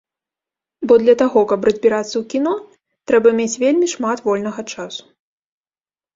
Бо для таго, каб разбірацца ў кіно, трэба мець вельмі шмат вольнага часу.